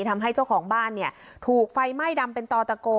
ทำให้เจ้าของบ้านเนี่ยถูกไฟไหม้ดำเป็นต่อตะโก